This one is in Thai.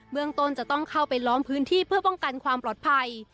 เมืองต้นจะต้องเข้าไปล้อมพื้นที่เพื่อป้องกันความปลอดภัย